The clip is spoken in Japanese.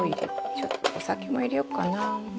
ちょっとお酒も入れようかな。